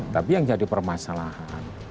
tapi yang jadi permasalahan